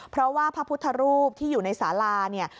เพราะว่าพระพุทธรูปที่อยู่ในสาลาเนี่ย